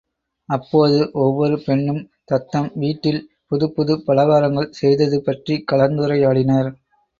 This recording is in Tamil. அப்போது, ஒவ்வொரு பெண்ணும் தத்தம் வீட்டில் புதுப் புதுப் பலகாரங்கள் செய்தது பற்றிக் கலந்துரையாடினர்.